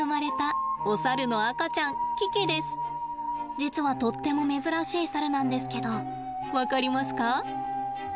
実はとっても珍しいサルなんですけど分かりますか？